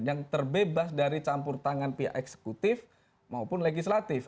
yang terbebas dari campur tangan pihak eksekutif maupun legislatif